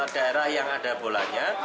daerah yang ada bolanya